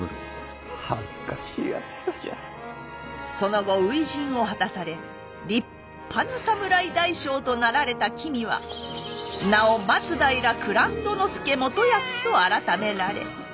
その後初陣を果たされ立派な侍大将となられた君は名を松平蔵人佐元康と改められ。